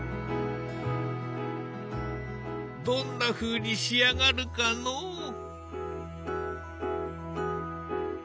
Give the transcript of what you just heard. どんなふうに仕上がるかのう。